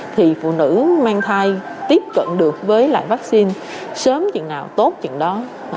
thì phụ nữ mang thai tiếp cận được với lại vaccine sớm chừng nào tốt chừng đó